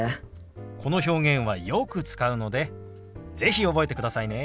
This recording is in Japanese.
この表現はよく使うので是非覚えてくださいね。